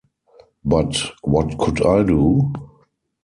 But what could I do?